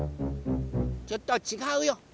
ちょっとちがうよ。